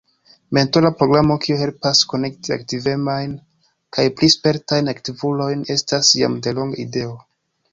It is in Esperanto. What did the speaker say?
Mentora programo, kio helpas konekti aktivemajn kaj pli spertajn aktivulojn estas jam delonge ideo.